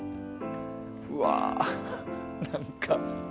うわ何か。